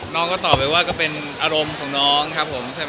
น้องก็ตอบไปว่าก็เป็นอารมณ์ของน้องครับผมใช่ไหม